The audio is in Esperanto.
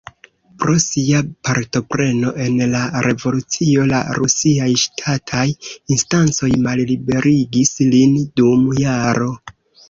Pro sia partopreno en la revolucio la rusiaj ŝtataj instancoj malliberigis lin dum jaro.